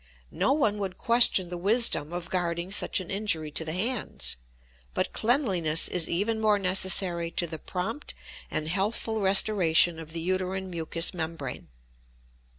No one would question the wisdom of guarding such an injury to the hands; but cleanliness is even more necessary to the prompt and healthful restoration of the uterine mucous membrane.